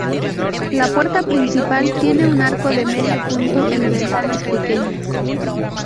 La puerta principal tiene un arco de medio punto y ventanas pequeñas.